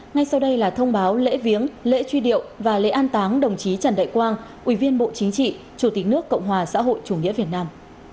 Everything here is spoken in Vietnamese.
ngay sau đây là thông báo lễ viếng lễ truy điệu và lễ an táng đồng chí trần đại quang ủy viên bộ chính trị chủ tịch nước cộng hòa xã hội chủ nghĩa việt nam